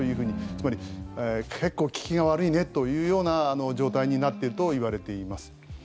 つまり結構、効きが悪いねという状態になっていると言われています。